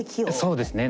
そうですね。